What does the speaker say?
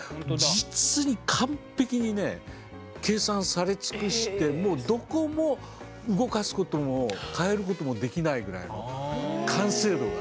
実に完璧にね計算され尽くしてもうどこも動かすことも変えることもできないぐらいの完成度が。